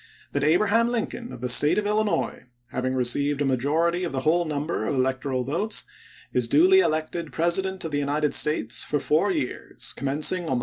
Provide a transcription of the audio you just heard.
"that Abraham Lincoln of the State of Illinois, having received a majority of the whole number of electoral votes, is duly elected President of the "Globe," United States for four years, commencing on the ep.